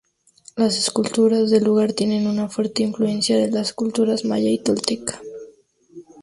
Las esculturas del lugar tienen una fuerte influencia de las culturas maya y tolteca.